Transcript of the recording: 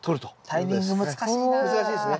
タイミング難しいな。